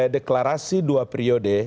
deklarasi dua periode